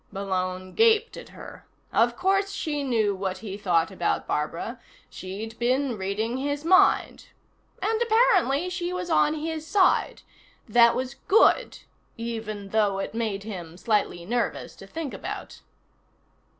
Malone gaped at her. Of course she knew what he thought about Barbara; she'd been reading his mind. And, apparently, she was on his side. That was good, even though it made him slightly nervous to think about.